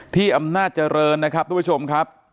ที่อำนาจรรย์นะครับทุกผู้ชมครับ